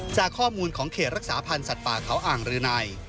จากข้อมูลของเขตรักษาพันธ์สัตว์ป่าเขาอ่างรืนัย